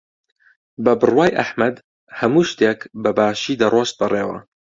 بە بڕوای ئەحمەد هەموو شتێک بەباشی دەڕۆشت بەڕێوە.